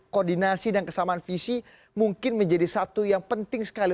koordinasi dan kesamaan visi mungkin menjadi satu yang penting sekali